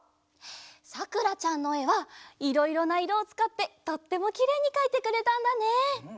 さくらちゃんのえはいろいろないろをつかってとってもきれいにかいてくれたんだね。